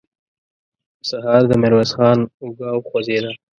سهار د ميرويس خان اوږه وخوځېده.